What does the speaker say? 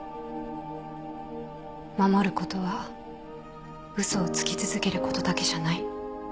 守ることは嘘をつき続けることだけじゃない。